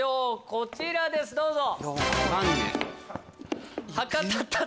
こちらですどうぞ！